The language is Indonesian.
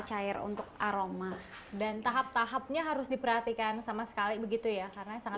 cair untuk aroma dan tahap tahapnya harus diperhatikan sama sekali begitu ya karena sangat